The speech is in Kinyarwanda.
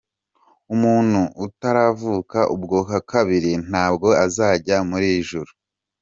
Umuntu utaravuka ubwa kabiri ntabwo azajya mu ijuru.